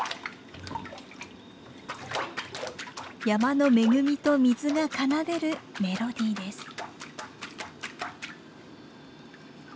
山の恵みと水が奏でるメロディーです。